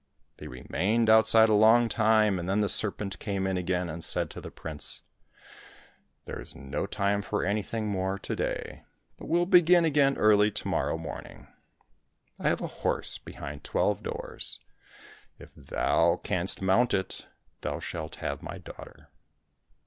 They remained outside a long time, and then the serpent came in again, and said to the prince, " There is no time for anything more to day, but we'll begin again early to morrow morning. I have a horse behind twelve doors ; if thou canst mount it, thou shalt have my daughter."